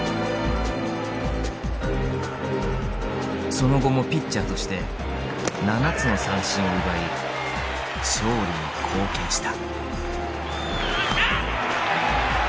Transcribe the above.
その後もピッチャーとして７つの三振を奪い勝利に貢献した。